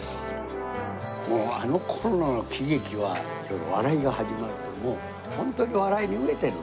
もうあの頃の喜劇は笑いが始まるともうホントに笑いに飢えている。